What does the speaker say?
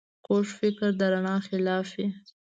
کوږ فکر د رڼا خلاف وي